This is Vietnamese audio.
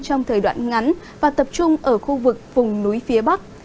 trong thời đoạn ngắn và tập trung ở khu vực vùng núi phía bắc